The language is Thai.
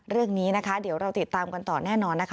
เรื่องนี้นะคะเดี๋ยวเราติดตามกันต่อแน่นอนนะคะ